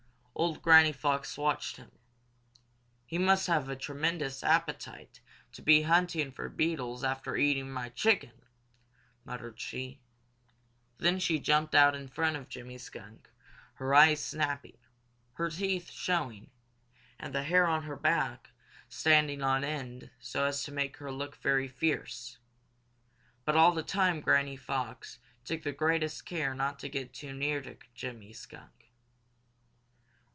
Old Granny Fox watched him. "He must have a tremendous appetite to be hunting for beetles after eating my chicken!" muttered she. Then she jumped out in front of Jimmy Skunk, her eyes snapping, her teeth showing, and the hair on her back standing on end so as to make her look very fierce. But all the time old Granny Fox took the greatest care not to get too near to Jimmy Skunk.